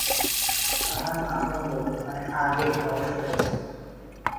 কাহার আকন্দ অনেক আগে অবসরে গেছেন।